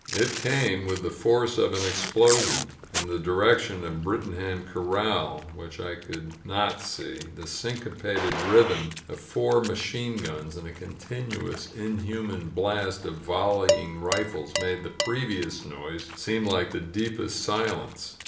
It came with the force of an explosion. In the direc tion of the Brittingham Corral, which I could not see, the syncopated rhythm of four machine guns and a continuous inhimian blast of volleying rifles made the previous noise seem like the deepest silence.